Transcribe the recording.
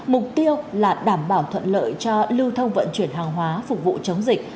mục tiêu là đảm bảo thuận lợi cho lưu thông vận chuyển hàng hóa phục vụ chống dịch